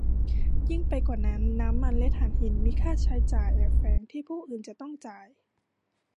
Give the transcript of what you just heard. ยิ่งไปกว่านั้น น้ำมันและถ่านหินมีค่าใช้จ่ายแอบแฝงที่ผู้อื่นจะต้องจ่าย